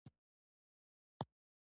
پسه د مالدارۍ برخه ده.